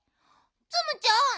ツムちゃん